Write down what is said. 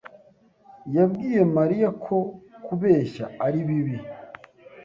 yabwiye Mariya ko kubeshya ari bibi.